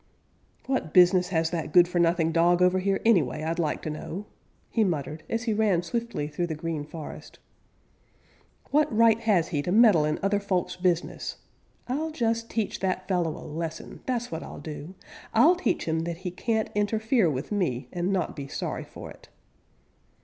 "What business has that good for nothing dog over here anyway, I'd like to know," he muttered, as he ran swiftly through the Green Forest. "What right has he to meddle in other folks' business? I'll just teach that fellow a lesson; that's what I'll do! I'll teach him that he can't interfere with me not be sorry for it."